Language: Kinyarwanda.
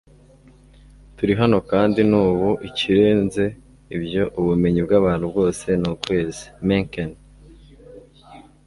turi hano kandi ni ubu. ikirenze ibyo, ubumenyi bw'abantu bwose ni ukwezi. - h. l. mencken